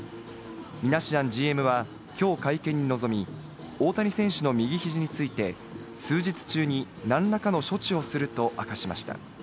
ミナシアンＧＭはきょう会見に臨み、大谷選手の右肘について、数日中に何らかの処置をすると明かしました。